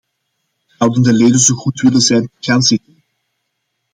Zouden de leden zo goed willen zijn te gaan zitten?